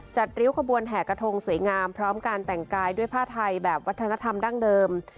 ริ้วขบวนแห่กระทงสวยงามพร้อมการแต่งกายด้วยผ้าไทยแบบวัฒนธรรมดั้งเดิม